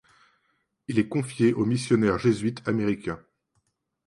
Il est confié aux missionnaires jésuites américains.